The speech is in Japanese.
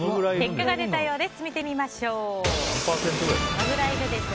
結果が出たようです。